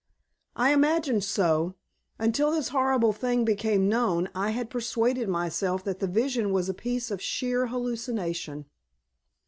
"I imagined so. Until this horrible thing became known I had persuaded myself that the vision was a piece of sheer hallucination."